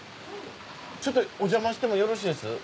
ちょっとおじゃましてもよろしいです？